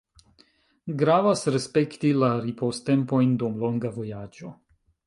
Gravas respekti la ripoztempojn dum longa vojaĝo.